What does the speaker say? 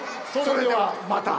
それではまた！